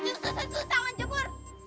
eh apa maksudnya